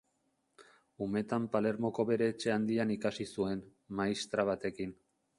Umetan Palermoko bere etxe handian ikasi zuen, maistra batekin.